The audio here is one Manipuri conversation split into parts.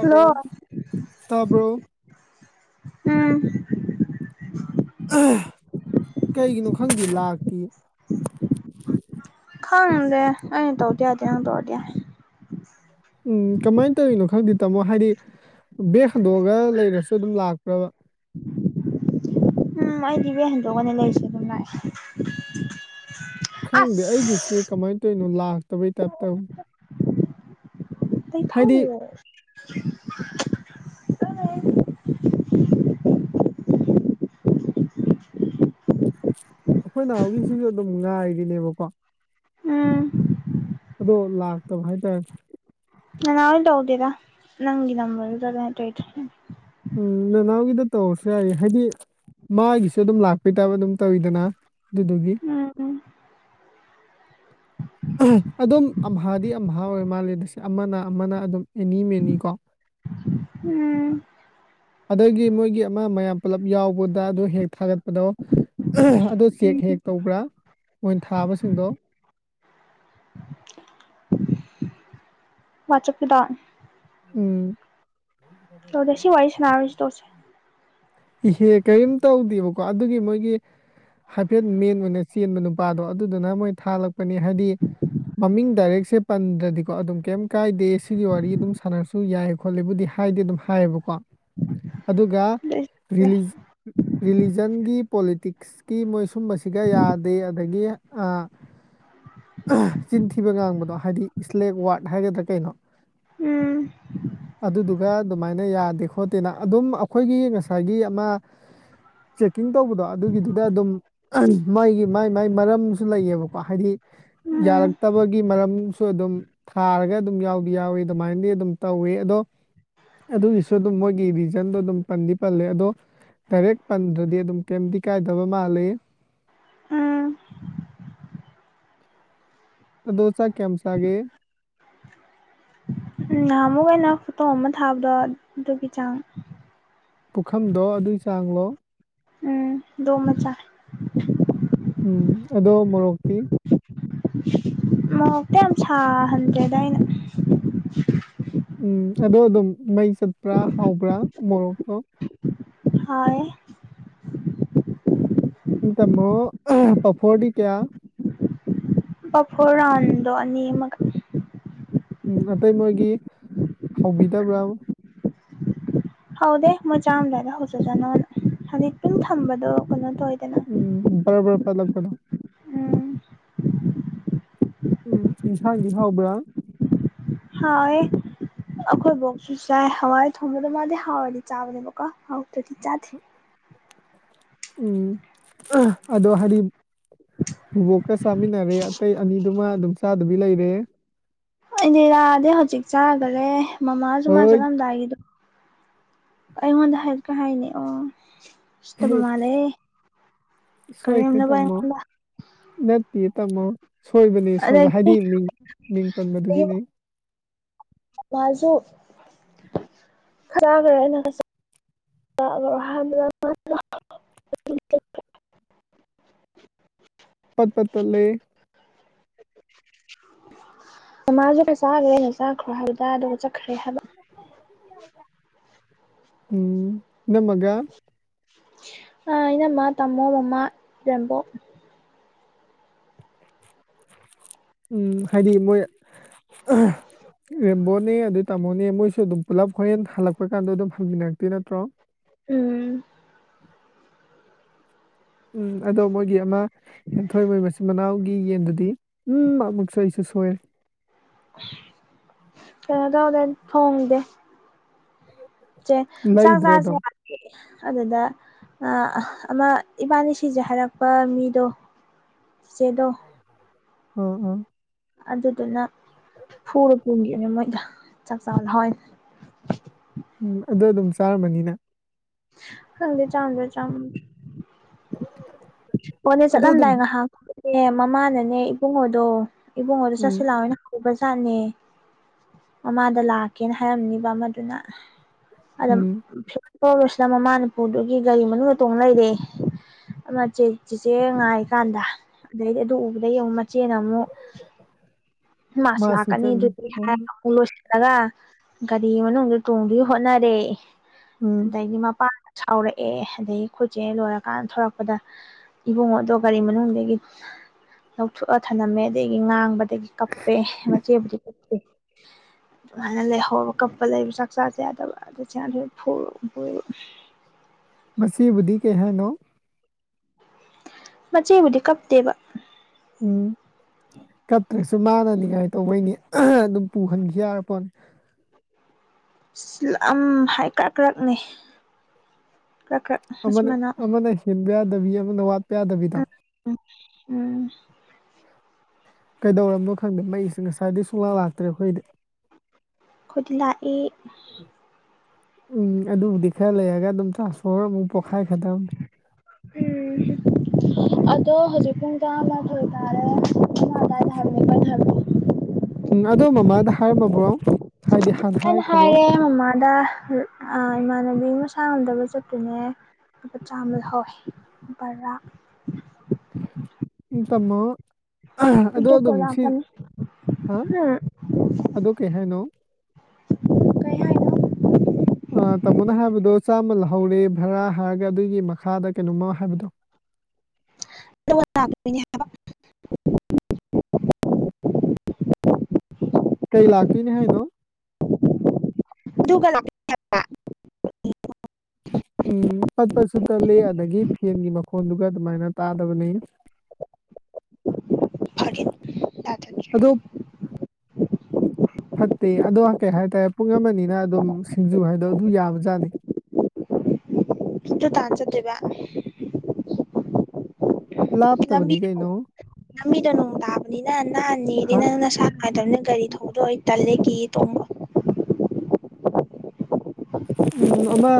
ꯍꯜꯂꯣ ꯇꯥꯕ꯭ꯔꯣ ꯎꯝ ꯀꯩꯒꯤꯅꯣ ꯈꯪꯗꯦ ꯂꯥꯛꯇꯦ ꯈꯪꯉꯗꯦ ꯑꯩꯅ ꯇꯧꯔꯗꯤ ꯌꯥꯗꯦ ꯅꯪ ꯇꯧꯔꯗꯤ ꯌꯥꯏ ꯎꯝ ꯀꯃꯥꯏꯅ ꯇꯧꯔꯤꯅꯣ ꯈꯪꯗꯦ ꯇꯥꯃꯣ ꯍꯥꯏꯗꯤ ꯕꯦꯛ ꯍꯟꯗꯣꯛꯑꯒ ꯂꯩꯔꯁꯨ ꯑꯗꯨꯝ ꯂꯥꯛꯄ꯭ꯔꯕ ꯎꯝ ꯑꯩꯗꯤ ꯕꯥꯛ ꯍꯟꯗꯣꯛꯑꯒꯥꯅꯤ ꯂꯩꯔꯤꯁꯦ ꯑꯗꯨꯝ ꯂꯥꯛꯑꯦ ꯈꯪꯗꯦ ꯑꯩꯒꯤꯁꯦ ꯑꯁ ꯀꯃꯥꯏꯅ ꯇꯧꯔꯤꯅꯣ ꯂꯥꯛꯇꯕꯩ ꯇꯥꯏꯞꯇ ꯇꯧꯏ ꯑꯩ ꯍꯥꯏꯗꯤ ꯈꯪꯗꯦ ꯑꯩꯈꯣꯏꯅ ꯅꯥꯎꯒꯤꯁꯨ ꯑꯗꯨꯝ ꯉꯥꯏꯔꯤꯅꯦꯕꯀꯣ ꯎꯝ ꯑꯗꯣ ꯂꯥꯛꯇꯕ ꯍꯥꯏꯇꯥꯔꯦ ꯅꯥꯅꯥꯎ ꯇꯧꯗꯦꯗꯥ ꯅꯪꯒꯤ ꯅꯝꯕꯥꯔ ꯗꯨꯗꯥꯗꯤ ꯑꯩꯅꯥ ꯇꯧꯔꯤꯗꯨ ꯎꯝ ꯅꯅꯥꯎꯒꯤꯗ ꯇꯧꯔꯁꯨ ꯌꯥꯏꯌꯦ ꯍꯥꯏꯗꯤ ꯃꯥꯒꯤꯁꯨ ꯑꯗꯨꯝ ꯂꯥꯛꯄꯩ ꯇꯥꯏꯕ ꯑꯗꯨꯝ ꯇꯧꯋꯤꯗꯅ ꯑꯗꯨꯗꯨꯒꯤ ꯎꯝ ꯑꯗꯨꯝ ꯑꯝꯍꯥꯗꯤ ꯑꯝꯍꯥ ꯑꯣꯏ ꯃꯥꯜꯂꯦ ꯑꯗꯨꯁꯨ ꯑꯃꯅ ꯑꯃꯅ ꯑꯗꯨꯝ ꯑꯦꯅꯤ ꯃꯦꯅꯤ ꯀꯣ ꯎꯝ ꯑꯗꯒꯤ ꯃꯣꯏꯒꯤ ꯑꯃ ꯑꯃ ꯃꯌꯥꯝ ꯄꯨꯜꯂꯞ ꯌꯥꯎꯕꯗ ꯑꯗꯨ ꯍꯦꯛ ꯊꯥꯒꯠꯄꯗꯣ ꯑꯗꯨ ꯆꯦꯛ ꯎꯝ ꯍꯦꯛ ꯇꯧꯕ꯭ꯔꯥ ꯃꯣꯏ ꯊꯥꯕꯁꯤꯡꯗꯣ ꯋꯥꯆꯞꯀꯤꯗꯣ ꯎꯝ ꯇꯗꯦ ꯁꯤ ꯋꯥꯔꯤ ꯁꯥꯟꯅꯔꯣꯏꯁꯤ ꯇꯣꯛꯑꯁꯤ ꯏꯍꯦ ꯀꯔꯤꯝ ꯇꯧꯗꯦꯕꯀꯣ ꯑꯗꯨꯒꯤ ꯃꯣꯏꯒꯤ ꯍꯥꯏꯐꯦꯠ ꯃꯦꯟ ꯑꯣꯏꯅ ꯆꯦꯟꯕ ꯅꯨꯄꯥꯗꯣ ꯑꯗꯨꯗꯨꯅ ꯃꯣꯏ ꯊꯥꯜꯒꯠꯂꯛꯄꯅꯤ ꯍꯥꯏꯕꯗꯤ ꯃꯃꯤꯡ ꯗꯥꯏꯔꯦꯛꯁꯦ ꯄꯟꯗ꯭ꯔꯗꯤꯀꯣ ꯑꯗꯨꯝ ꯀꯩꯝ ꯀꯥꯏꯗꯦ ꯁꯤꯒꯤ ꯋꯥꯔꯤ ꯑꯗꯨꯝ ꯁꯥꯟꯅꯔꯁꯨ ꯌꯥꯏ ꯈꯣꯠꯂꯦꯕꯨꯗꯤ ꯍꯥꯏꯗꯤ ꯑꯗꯨꯝ ꯍꯥꯏꯌꯦꯕꯀꯣ ꯑꯗꯨꯒ ꯔꯤꯂꯤ ꯔꯤꯂꯤꯖꯟꯒꯤ ꯄꯣꯂꯤꯇꯤꯛꯁ ꯀꯤ ꯃꯣꯏ ꯁꯨꯝꯕꯁꯤꯒ ꯌꯥꯗꯦ ꯑꯗꯒꯤ ꯑꯥ ꯆꯤꯟꯊꯤꯕ ꯉꯥꯡꯕꯗꯣ ꯍꯥꯏꯗꯤ ꯏꯁꯂꯦꯡ ꯋꯥꯔꯠ ꯍꯥꯏꯒꯗ꯭ꯔꯥ ꯀꯩꯅꯣ ꯎꯝ ꯑꯗꯨꯗꯨꯒ ꯑꯗꯨꯃꯥꯏꯅ ꯌꯥꯗꯦ ꯈꯣꯠꯇꯦꯅ ꯑꯗꯨꯝ ꯑꯩꯈꯣꯏꯅꯤꯒꯤ ꯉꯁꯥꯏꯒꯤ ꯑꯃ ꯆꯦꯛꯀꯤꯡ ꯇꯧꯕꯗꯣ ꯑꯗꯨꯒꯤꯗꯨꯗ ꯑꯗꯨꯝ ꯃꯒꯤ ꯃꯥꯏ ꯃꯥꯏ ꯃꯔꯝꯁꯨ ꯂꯩꯌꯦꯕꯀꯣ ꯍꯥꯏꯗꯤ ꯎꯝ ꯌꯥꯔꯛꯇꯕꯒꯤ ꯃꯔꯝꯁꯨ ꯑꯗꯨꯝ ꯊꯥꯔꯒ ꯑꯗꯨꯝ ꯌꯥꯎꯗꯤ ꯌꯥꯎꯋꯤ ꯑꯗꯨꯃꯥꯏꯅꯗꯤ ꯑꯗꯨꯝ ꯇꯧꯋꯦ ꯑꯗꯣ ꯑꯗꯨꯒꯤꯁꯨ ꯑꯗꯨꯝ ꯃꯣꯏꯒꯤ ꯔꯤꯖꯟꯗꯣ ꯑꯗꯨꯝ ꯄꯟꯗꯤ ꯄꯜꯂꯦ ꯑꯗꯣ ꯗꯥꯏꯔꯦꯛ ꯄꯟꯗ꯭ꯔꯗꯤ ꯑꯗꯨꯝ ꯀꯩꯝꯇꯤ ꯀꯥꯏꯗꯕ ꯃꯥꯜꯂꯤ ꯎꯝ ꯑꯥꯗꯣ ꯆꯥꯛ ꯀꯌꯥꯝ ꯆꯥꯒꯦ ꯎꯝ ꯅꯍꯥ ꯑꯃꯨꯛ ꯑꯩꯅꯥ ꯐꯣꯇꯣ ꯑꯃ ꯊꯥꯕꯗꯣ ꯑꯗꯨꯒꯤ ꯆꯥꯡ ꯄꯨꯈꯝꯗꯣ ꯑꯗꯨꯏ ꯆꯥꯡꯂꯣ ꯎꯝ ꯗꯣꯃꯥ ꯆꯥꯥ ꯎꯝ ꯑꯗꯣ ꯃꯣꯔꯣꯛꯐꯤ ꯃꯣꯛꯇ ꯌꯥꯝ ꯁꯥꯍꯟꯗ꯭ꯔꯦꯗ ꯑꯩꯅ ꯎꯝ ꯑꯗꯣ ꯑꯗꯨꯝ ꯃꯩ ꯆꯠꯄ꯭ꯔꯥ ꯍꯥꯎꯕ꯭ꯔꯥ ꯃꯣꯔꯣꯛꯇꯣ ꯍꯥꯎꯏ ꯇꯃꯣ ꯄꯣꯐꯣꯔꯗꯤ ꯀꯌꯥ ꯄꯐꯣꯔꯥꯟꯗꯣꯅꯤ ꯑꯃꯒꯥ ꯎꯝ ꯑꯇꯩ ꯃꯣꯏꯒꯤ ꯍꯧꯕꯤꯗꯕ꯭ꯔꯥ ꯍꯥꯎꯗꯦ ꯃꯣꯏ ꯆꯥꯝꯗꯥꯔ ꯍꯧꯖꯖꯥꯠꯅꯣꯅ ꯍꯧꯖꯤꯛꯇꯝ ꯊꯝꯕꯗꯣ ꯀꯩꯅꯣ ꯇ ꯑꯣꯏꯗꯅ ꯎꯝ ꯕꯔ ꯕꯔ ꯄꯂꯛꯄꯗ ꯎꯝ ꯎꯝ ꯌꯦꯟꯁꯥꯡꯗꯤ ꯍꯥꯎꯕ꯭ꯔꯥ ꯍꯥꯎꯏ ꯑꯩꯈꯣꯏꯕꯣꯛꯁꯨ ꯆꯥꯏ ꯍꯋꯥꯏ ꯊꯣꯡꯕꯗ ꯃꯥꯗꯤ ꯍꯋꯥꯏꯔꯗꯤ ꯆꯥꯕꯅꯦꯕꯀꯣ ꯍꯥꯎꯔꯗꯤ ꯆꯥꯗꯦ ꯎꯝ ꯑꯗꯣ ꯍꯥꯏꯗꯤ ꯕꯣꯛꯀ ꯆꯥꯃꯤꯟꯅꯔꯦ ꯑꯇꯩ ꯑꯅꯤꯗꯨꯃ ꯑꯗꯨꯝ ꯆꯥꯗꯨꯕꯤ ꯂꯩꯔꯦ ꯑꯩꯅꯤꯔꯥꯗꯤ ꯍꯧꯖꯤꯛ ꯆꯥꯈꯔꯦ ꯃꯃꯥꯁꯨ ꯃꯥ ꯍꯣꯏ ꯆꯠꯂꯝꯗꯥꯏꯒꯤꯗꯣ ꯑꯩꯉꯣꯟꯗ ꯍꯥꯏꯀ ꯍꯥꯏꯅꯤ ꯑꯣ ꯎꯁꯤꯠꯇꯕ ꯍꯦ, ꯃꯥꯜꯂꯦ ꯁꯣꯏꯈ꯭ꯔꯦ ꯀꯥꯔꯦꯝꯅꯕ ꯇꯥꯃꯣ ꯑꯩꯉꯣꯟꯗ ꯅꯠꯇꯦ ꯇꯝꯃꯣ ꯁꯣꯏꯕꯅꯤ ꯁꯣꯏꯕ ꯑꯗꯒꯤ ꯍꯥꯏꯗꯤ ꯃꯤꯡ ꯃꯤꯡ ꯄꯟꯕꯗꯨꯒꯤꯅꯤ ꯃꯥꯏꯁꯨ [unintelligible] [unintelligible] [unintelligible] ꯄꯠ ꯄꯠꯇꯂꯩ ꯃꯥꯃꯥꯒꯤ ꯄꯩꯁꯥ ꯍꯥꯜꯂꯦ ꯆꯥꯈ꯭ꯔꯦꯕ ꯑꯗꯨꯒ ꯑꯗꯨꯒ ꯆꯠꯈ꯭ꯔ ꯍꯥꯏꯕꯥ ꯎꯝ ꯅꯃꯒ ꯑꯥ ꯏꯅꯃ ꯇꯃꯣ ꯃꯃꯥ ꯔꯝꯕꯣ ꯎꯝ ꯍꯥꯏꯗꯤ ꯃꯣꯏ ꯔꯦꯝꯕꯣꯅꯦ ꯑꯗꯨ ꯇꯥꯃꯣꯅꯦ ꯃꯣꯏꯁꯨ ꯑꯗꯨꯝ ꯄꯨꯂꯞ ꯍꯣꯔꯦꯟ ꯍꯜꯂꯛꯄ ꯀꯥꯟꯗ ꯑꯗꯨꯝ ꯍꯪꯃꯤꯟꯅꯛꯇꯦ ꯅꯠꯇ꯭ꯔꯣ ꯎꯝ ꯎꯝ ꯑꯗꯣ ꯃꯣꯏꯒꯤ ꯑꯃ ꯍꯟꯊꯣꯏ ꯃꯣꯏ ꯃꯆꯤꯟ ꯃꯅꯥꯎꯒꯤ ꯌꯦꯟꯗꯨꯗꯤ ꯎꯝꯃꯨꯛ ꯑꯩꯁꯨ ꯁꯣꯏ [unintelligible] ꯈꯪꯗꯦ ꯆꯦ ꯆꯥꯛ ꯂꯩꯗ꯭ꯔꯦ ꯆꯥꯁꯦ ꯑꯗꯨꯝ ꯑꯗꯨꯗ ꯑꯥ ꯑꯃ ꯏꯕꯥꯅꯤ ꯁꯤꯁꯦ ꯍꯥꯏꯔꯛꯄ ꯃꯤꯗꯣ ꯆꯦꯗꯣ ꯎꯝ ꯎꯝ ꯑꯗꯨꯗꯨꯅ ꯐꯨꯔ ꯄꯨꯨꯝꯈꯤꯕꯅꯦ ꯃꯣꯏꯗ ꯆꯥꯛ ꯆꯥ ꯍꯣꯢ ꯎꯝ ꯑꯗꯨ ꯑꯗꯨꯝ ꯆꯥꯔꯝꯃꯅꯤ ꯅꯪ ꯈꯪꯗꯦ [unintelligible] [inaudible] ꯑꯣꯅꯦ ꯑꯗꯨ ꯑꯗꯨꯝ ꯆꯠꯂꯝꯗꯥꯏ ꯉꯍꯥꯛ ꯑꯗꯨꯅꯦ ꯃꯃꯥꯅꯅꯦ ꯏꯕꯨꯡꯉꯣꯗꯣ ꯏꯕꯨꯡꯉꯣꯗꯣ ꯎꯝ ꯆꯠꯁꯤꯂꯥꯎꯅ ꯄꯨꯒ꯭ꯔꯖꯥꯠꯅꯦ ꯃꯃꯥꯗ ꯂꯥꯛꯀꯦꯅ ꯍꯥꯏꯔꯝꯅꯤꯕ ꯑꯃꯗꯨꯅ ꯑꯗ ꯎꯝ [unintelligible] ꯃꯃꯥꯅ ꯄꯗꯨꯢꯒꯤ ꯒꯥꯔꯤ ꯃꯅꯨꯡꯗ ꯇꯣꯡ ꯂꯩꯔꯦ ꯆꯦ ꯆꯦꯆꯦ ꯉꯥꯏꯀꯥꯟꯗ ꯑꯗꯩꯗꯤ ꯑꯗꯨ ꯎꯕꯗꯩ ꯑꯃꯨꯛ ꯃꯆꯦꯅ ꯑꯃꯨꯛ ꯃꯥꯁꯨ ꯂꯥꯛꯀꯅꯤ ꯑꯗꯨꯗꯤ ꯍꯥꯢꯔꯒ ꯂꯣꯏꯁꯤꯜꯂꯒ ꯒꯥꯔꯤ ꯃꯅꯨꯡꯗ ꯇꯣꯡꯗꯨꯢꯒꯤ ꯍꯣꯠꯅꯔꯦ ꯎꯝ ꯗꯩꯗꯤ ꯃꯄꯥꯅ ꯁꯥꯎꯔꯛꯑꯦ ꯑꯗꯩ ꯈꯣꯢ ꯆꯦ ꯂꯣꯏꯔꯀꯥꯟ ꯊꯣꯔꯛꯄꯗ ꯏꯕꯨꯡꯉꯣꯗꯣ ꯒꯥꯔꯤ ꯃꯅꯨꯡꯗꯒꯤ ꯂꯧꯊꯣꯛꯑ ꯊꯝꯅꯝꯃꯦ ꯑꯗꯒꯤ ꯉꯥꯡꯕ ꯑꯗꯒꯤ ꯀꯞꯄꯦ ꯃꯆꯦ [unintelligible] [inaudible] ꯑꯗꯨꯃꯥꯏꯅ ꯂꯩꯍꯧꯕ ꯀꯞꯄ ꯂꯩꯕ ꯆꯥꯛ ꯆꯁꯦ ꯌꯥꯗꯕ ꯑꯗꯨ ꯆꯗꯦꯅ ꯐꯨꯔ ꯄꯨꯒꯤꯕ ꯃꯆꯦꯕꯨꯗꯤ ꯀꯩ ꯍꯥꯏꯅꯣ ꯃꯆꯦꯕꯨꯗꯤ ꯀꯞꯇꯦꯕ ꯎꯝ ꯀꯞꯇ꯭ꯔꯁꯨ ꯃꯥꯅ ꯅꯤꯉꯥꯏ ꯇꯧꯕꯩꯅꯤ ꯑꯗꯨꯝ ꯄꯨꯍꯟꯈꯤ ꯌꯥꯔꯄꯣꯠꯅꯦ ꯑꯁ ꯂꯝ ꯍꯥꯏ ꯀ꯭ꯔꯛ ꯀ꯭ꯔꯛꯅꯤ ꯀ꯭ꯔꯛ ꯀ꯭ꯔꯛ ꯃꯆꯤꯟ ꯑꯃꯅ ꯃꯅꯥꯎ ꯑꯃꯅ ꯍꯦꯟꯕ ꯌꯥꯗꯕꯤ ꯑꯃꯅ ꯋꯥꯠꯄ ꯌꯥꯗꯕꯤꯗꯣ ꯎꯝ ꯎꯝ ꯀꯩꯗꯧꯔꯝꯅꯣ ꯈꯪꯗꯦ ꯃꯩꯁꯦ ꯉꯁꯥꯏꯗꯩ ꯁꯨꯡꯂꯥꯛ ꯂꯥꯛꯇ꯭ꯔꯦ ꯑꯈꯣꯏꯗꯤ ꯈꯣꯢꯗꯤ ꯂꯥꯛꯢ ꯎꯝ ꯑꯗꯨꯕꯨꯗꯤ ꯈꯔ ꯂꯩꯔꯒ ꯑꯗꯨꯝ ꯇ꯭ꯔꯥꯟꯁꯄꯣꯃꯔ ꯑꯃꯨꯛ ꯄꯣꯈꯥꯏꯒ꯭ꯔꯗꯝꯅꯤ ꯎꯝ ꯑꯗꯣ ꯍꯧꯖꯤꯛ ꯄꯨꯡ ꯇꯔꯥꯃꯊꯣꯏ ꯇꯔꯦ [inaudible] ꯎꯝ ꯑꯗꯣ ꯃꯃꯥꯗ ꯍꯥꯏꯔꯝꯃꯕ꯭ꯔꯣ ꯍꯥꯏꯗꯤ ꯍꯥꯟꯅ ꯉꯁꯥꯢꯅ ꯍꯥꯏꯈ꯭ꯔꯕꯣ ꯍꯥꯏꯔꯦ ꯃꯃꯥꯗ ꯑꯥ ꯏꯃꯥꯟꯅꯕꯤ ꯃꯁꯥ ꯉꯝꯗꯕ ꯆꯠꯇꯨꯢꯅꯦ ꯂꯨꯄꯥ ꯆꯥꯝꯃ ꯂꯧꯍꯧꯋꯦ ꯕꯔꯥ ꯎꯝ ꯇꯝꯃꯣ ꯑꯗꯣ ꯑꯗꯨꯒ ꯑꯗꯨꯝ ꯁꯤ ꯂꯥꯛꯀꯅꯤ ꯍꯥ ꯎꯝ ꯑꯗꯣ ꯀꯩ ꯍꯥꯏꯅꯣ ꯀꯩ ꯍꯥꯏꯅꯣ ꯑꯥ ꯇꯥꯃꯣꯅ ꯍꯥꯏꯕꯗꯣ ꯆꯥꯝꯃ ꯂꯧꯍꯧꯔꯦ ꯚꯔꯥ ꯍꯥꯏꯔꯒ ꯑꯗꯨꯒꯤ ꯃꯈꯥꯗ ꯀꯩꯅꯣꯃ ꯍꯥꯏꯕꯗꯣ [unintelligible] ꯀꯩ ꯂꯥꯛꯇꯨꯢꯅꯦ ꯍꯥꯏꯅꯣ ꯗꯨꯒ ꯂꯥꯛ ꯎꯝ ꯄꯠꯄꯠꯁꯨ ꯇꯠꯂꯦ ꯑꯗꯒꯤ ꯐꯦꯟꯒꯤ ꯃꯈꯣꯟꯗꯨꯒ ꯑꯗꯨꯃꯥꯏꯅ ꯇꯥꯗꯕꯅꯦ ꯐꯔꯦ [inaudible] ꯑꯗꯨ ꯐꯠꯇꯦ ꯑꯗꯣ ꯀꯩ ꯍꯥꯏꯇꯥꯔꯦ ꯄꯨꯡ ꯑꯃꯅꯤꯅ ꯑꯗꯨꯝ ꯁꯤꯡꯖꯨ ꯍꯥꯏꯗꯣ ꯑꯗꯨ ꯌꯥꯕꯖꯥꯠꯅꯤ [unintelligible] ꯇꯥꯟ ꯆꯠꯇꯨꯢꯕ ꯂꯝꯕꯤ ꯂꯥꯞꯇꯕꯅꯤ ꯀꯩꯅꯣ ꯂꯝꯕꯤꯗꯣ ꯅꯣꯡ ꯇꯥꯕꯅꯤꯅ ꯅꯥꯟꯅꯤ ꯗꯤ ꯍꯥ ꯅꯪ ꯅꯁꯥ ꯅꯨꯡꯉꯥꯏꯇꯕꯅꯤꯅ ꯒꯥꯔꯤ ꯊꯧꯕꯗꯣ ꯑꯩ ꯇꯜꯂꯦ ꯀꯤꯌꯦ ꯇꯣꯡꯕ ꯎꯝ ꯑꯃ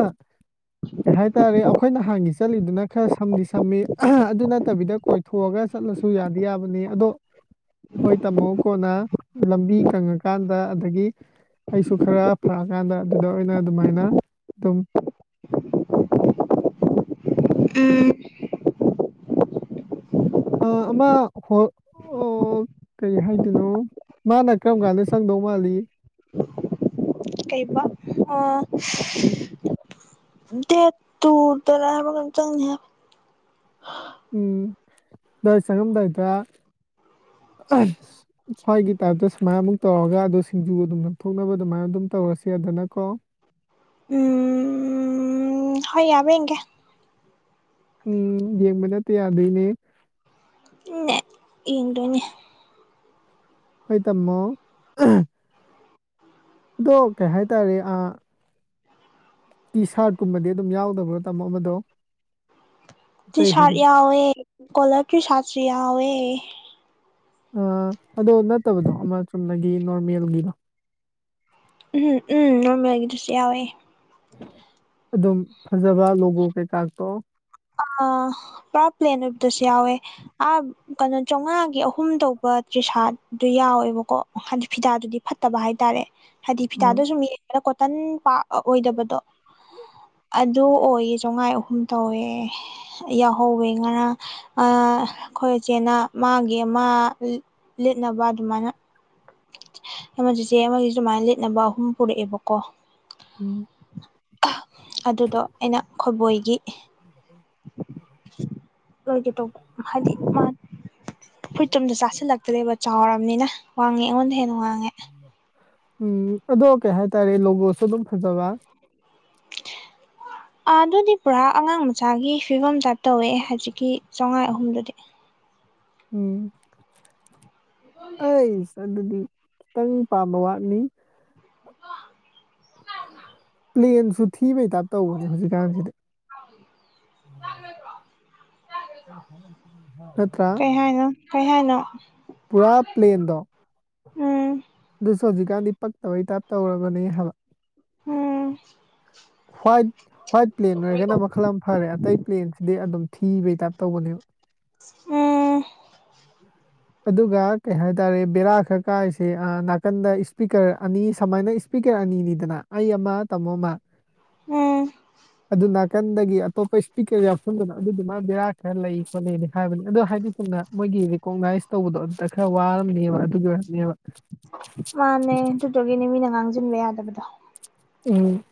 ꯀꯩ ꯍꯥꯏꯇꯥꯔꯦ ꯑꯈꯣꯏ ꯅꯍꯥꯟꯒꯤ ꯆꯠꯂꯤꯗꯨꯅ ꯈꯔ ꯁꯝꯗꯤ ꯁꯝꯃꯤ ꯑꯗꯨ ꯅꯠꯇꯕꯤꯗ ꯀꯣꯏꯊꯣꯛꯑꯒ ꯆꯠꯂꯁꯨ ꯌꯥꯗꯤ ꯌꯥꯕꯅꯦ ꯑꯗꯣ ꯍꯣꯏ ꯇꯥꯝꯃꯣ ꯀꯣꯟꯅ ꯂꯝꯕꯤ ꯀꯪꯉꯀꯥꯟꯗ ꯑꯗꯒꯤ ꯑꯩꯁꯨ ꯈꯔ ꯐꯔꯛꯀꯥꯟꯗ ꯑꯗꯨꯗ ꯑꯣꯏꯅ ꯑꯗꯨꯃꯥꯏꯅ ꯑꯗꯨꯝ ꯑ ꯑ ꯑꯃꯝ ꯍ ꯑꯣ ꯀꯔꯤ ꯍꯥꯏꯗꯣꯏꯅꯣ ꯃꯥꯅ ꯀꯔꯝ ꯀꯥꯟꯗ ꯆꯪꯗꯧ ꯃꯥꯜꯂꯤ ꯀꯩꯕ ꯑꯥ ꯎꯝ ꯗꯦꯠ ꯇꯨꯗꯔꯥ ꯍꯥꯏꯕꯔ ꯀꯩꯅꯣꯝ ꯆꯪꯅꯤ ꯎꯝ ꯅꯣꯏ ꯆꯪꯉꯝꯗꯥꯏꯗ ꯁ꯭ꯋꯥꯏꯒꯤ ꯇꯥꯏꯞꯇ ꯁꯨꯃꯥꯏꯅ ꯑꯃꯨꯛ ꯇꯧꯔꯒ ꯑꯗꯨ ꯁꯤꯡꯖꯨ ꯑꯗꯨꯝ ꯂꯧꯊꯣꯛꯅꯕ ꯑꯗꯨꯃꯥꯏꯅ ꯑꯗꯨꯝ ꯇꯧꯔꯁꯦꯗꯅꯀꯣ ꯎꯝ ꯍꯣꯏ ꯌꯥꯕꯔꯥ ꯌꯦꯡꯒꯦ ꯎꯝ ꯌꯦꯡꯕ ꯅꯠꯇꯦ ꯌꯥꯗꯣꯏꯅꯦ ꯅꯦ ꯌꯦꯡꯗꯣꯏꯅꯦ ꯍꯣꯏ ꯇꯃꯣ ꯑꯗꯣ ꯀꯩ ꯍꯥꯏꯇꯥꯔꯦ ꯑ ꯇꯤ ꯁꯥꯔꯠꯀꯨꯝꯕꯗꯤ ꯑꯗꯨꯝ ꯌꯥꯎꯗꯕ꯭ꯔꯥ ꯇꯥꯃꯣ ꯑꯃꯗꯣ ꯇꯤ ꯏꯇꯩ ꯁꯥꯔꯠ ꯍꯣꯏꯒꯤꯗꯣ ꯌꯥꯎꯋꯦ ꯀꯣꯂꯔ ꯇꯔꯤ ꯁꯥꯔꯠꯁꯨ ꯌꯥꯎꯋꯦ ꯑ ꯑꯗꯣ ꯅꯠꯇꯕꯗꯣ ꯑꯃ ꯆꯨꯝꯅꯒꯤ ꯅꯣꯔꯃꯦꯜꯒꯤꯗꯣ ꯎꯝꯝ ꯎꯝ ꯅꯣꯔꯃꯦꯜꯒꯤꯗꯨꯁꯨ ꯌꯥꯎꯋꯦ ꯑꯗꯨꯝ ꯐꯖꯕ ꯂꯣꯒꯨ ꯀꯩꯀꯥꯇꯣ ꯑ ꯄꯨꯔꯥ ꯄ꯭ꯂꯦꯟ ꯑꯣꯏꯕꯗꯁꯨ ꯌꯥꯎꯋꯦ ꯑ ꯀꯩꯅꯣ ꯆꯧꯉꯥꯒꯤ ꯑꯍꯨꯝ ꯇꯧꯕ ꯇ꯭ꯔꯤꯁꯥꯗꯨ ꯌꯥꯎꯋꯦꯕꯀꯣ ꯑꯣ ꯍꯥꯏꯗꯤ ꯐꯤꯗꯥꯗꯨꯗꯤ ꯐꯠꯇꯕ ꯍꯥꯏꯇꯥꯔꯦ ꯍꯥꯏꯗꯤ ꯎꯝ ꯐꯤꯗꯥꯗꯨꯁꯨ ꯩꯅ ꯀꯣꯇꯟ ꯄꯥꯛ ꯑꯣꯏꯗꯕꯗꯣ ꯑꯗꯨ ꯑꯣꯏꯌꯦ ꯆꯧꯉꯥ ꯑꯍꯨꯝ ꯇꯧꯋꯦ ꯌꯥꯎꯍꯧꯋꯦ ꯉꯔꯥꯡ ꯑꯩꯈꯣꯏ ꯏꯆꯦꯅ ꯃꯥꯒꯤ ꯃꯥ ꯂꯤꯠꯅꯕ ꯑꯗꯨꯃꯥꯏꯅ ꯆꯦꯆꯦ ꯑꯃꯒꯤꯗꯨ ꯁꯨꯃꯥꯏꯅ ꯂꯤꯠꯅꯕ ꯑꯍꯨꯝ ꯄꯨꯔꯛꯑꯦꯕꯀꯣ ꯎꯝ ꯑꯗꯨꯗꯣ ꯑꯩꯅ ꯈꯣꯏꯕꯣꯏꯒꯤ ꯑꯣꯏꯒꯤꯇꯣ ꯍꯥꯏꯗꯤ ꯃꯥ ꯐꯨꯔꯤꯠ ꯇꯤ ꯑꯝꯇ ꯆꯥꯁꯤꯜꯂꯛꯇ꯭ꯔꯦꯕ ꯆꯥꯎꯔꯕꯅꯤꯅ ꯋꯥꯡꯉꯦ ꯑꯩꯉꯣꯟꯗ ꯍꯦꯟꯅ ꯋꯥꯡꯉꯦ ꯎꯝ ꯑꯗꯣ ꯀꯩ ꯍꯥꯏꯇꯥꯔꯦ ꯂꯣꯒꯣꯁꯨ ꯑꯗꯨꯝ ꯐꯖꯕ ꯑꯗꯨꯗꯤ ꯄꯨꯔꯥ ꯑꯉꯥꯡ ꯃꯆꯥꯒꯤ ꯐꯤꯕꯝ ꯇꯥꯏꯄ ꯇꯧꯋꯦ ꯍꯧꯖꯤꯛꯀꯤ ꯆꯧꯉꯥ ꯑꯍꯨꯝꯗꯨꯗꯤ ꯎꯝ ꯑꯩꯁ ꯑꯗꯨꯗꯤ ꯈꯤꯇꯪ ꯄꯥꯝꯕ ꯋꯥꯠꯅꯤ ꯄ꯭ꯂꯦꯟꯁꯨ ꯊꯤꯕꯩ ꯇꯥꯏꯞ ꯇꯧꯕꯅꯦ ꯍꯧꯖꯤꯛꯀꯥꯟꯁꯤꯗꯤ ꯂ꯭ꯔ [unintelligible] ꯅꯠꯇꯔꯥ ꯀꯩ ꯍꯥꯏꯅꯣ ꯀꯩ ꯍꯥꯏꯅꯣ ꯄꯨꯔꯥ ꯄ꯭ꯂꯦꯟꯗꯣ ꯎꯝ ꯑꯗꯨꯁꯨ ꯍꯧꯖꯤꯛꯀꯥꯟꯗꯤ ꯄꯛꯇꯕꯩ ꯇꯥꯏꯞ ꯇꯧꯔꯕꯅꯦ ꯍꯥꯏꯕ ꯎꯝ ꯍ꯭ꯋꯥꯏꯠ ꯍ꯭ꯋꯥꯏꯠ ꯄ꯭ꯂꯦꯟ ꯑꯣꯏꯔꯒꯅ ꯃꯈꯜ ꯑꯃ ꯐꯔꯦ ꯑꯇꯩ ꯄ꯭ꯂꯦꯟꯁꯤꯗꯤ ꯑꯗꯨꯝ ꯊꯤꯕꯩ ꯇꯥꯏꯞ ꯇꯧꯕꯅꯦꯕ ꯑ [inaudible] ꯑꯗꯨꯒ ꯀꯩ ꯍꯥꯏꯇꯥꯔꯦ ꯕꯦꯔꯥ ꯈꯔ ꯀꯥꯏꯔꯤꯁꯦ ꯅꯥꯀꯟꯗ ꯏꯁꯄꯤꯀꯔ ꯑꯅꯤ ꯁꯨꯃꯥꯏꯅ ꯄꯄꯤꯀꯦꯠ ꯑꯅꯤꯗꯅ ꯑꯩ ꯑꯃ ꯇꯥꯃꯣ ꯑꯃ ꯎꯝ ꯑꯗꯨ ꯅꯥꯀꯟꯗꯒꯤ ꯑꯇꯣꯞꯄ ꯏꯁꯄꯤꯀꯔ ꯌꯥꯎꯁꯟꯗꯅ ꯑꯗꯨꯗꯨꯃ ꯕꯦꯔꯥ ꯈꯔ ꯂꯩ ꯈꯣꯠ ꯂꯩꯅꯤ ꯍꯥꯏꯕꯅꯤ ꯑꯗꯣ ꯍꯥꯏꯗꯤ ꯊꯨꯡꯅ ꯃꯣꯏꯒꯤ ꯔꯦꯀꯣꯛꯅꯥꯏꯁ ꯇꯧꯕꯗꯣ ꯑꯗꯨꯝꯗꯥ ꯈꯔ ꯋꯥꯔꯝꯅꯦꯕ ꯑꯗꯨꯒꯤ ꯑꯣꯏꯔꯝꯅꯦꯕ ꯃꯥꯅꯦ ꯑꯗꯨꯗꯒꯤꯅꯦ ꯃꯤꯅ ꯉꯥꯡꯁꯤꯟꯕ ꯌꯥꯗꯕꯗꯣ ꯎꯝ